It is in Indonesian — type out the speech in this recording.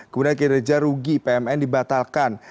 kemudian kira kira rugi pmn dibatalkan